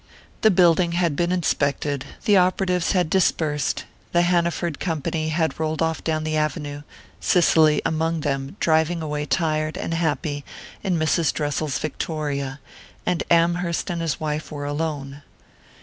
The building had been inspected, the operatives had dispersed, the Hanaford company had rolled off down the avenue, Cicely, among them, driving away tired and happy in Mrs. Dressel's victoria, and Amherst and his wife were alone.